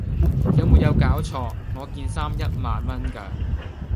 有沒有搞錯!我件衫一萬蚊架